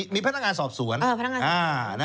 มีพนักงานสอบสวน